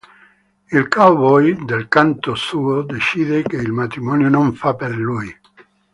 Il cowboy, dal canto suo, decide che il matrimonio non fa per lui.